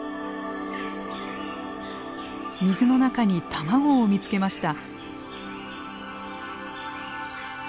水の中に卵を見つけました。